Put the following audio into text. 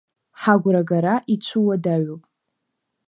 Ҳагәрагара ицәуадаҩуп…